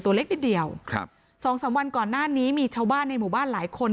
ตัวเล็กนิดเดียวครับสองสามวันก่อนหน้านี้มีชาวบ้านในหมู่บ้านหลายคน